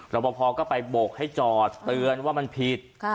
รับประพอก็ไปโบกให้จอดเตือนว่ามันผิด